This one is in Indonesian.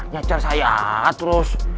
nyajar saya terus